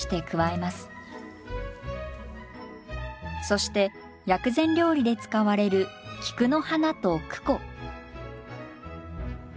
そして薬膳料理で使われる菊の花とクコ。